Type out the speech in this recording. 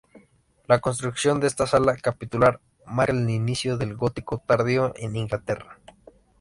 La construcción de esta sala capitular marca el inicio del gótico tardío en Inglaterra.